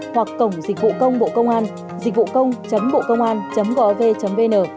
hoặc cổng dịch vụ công bộ công an dịchvucong bocongan gov vn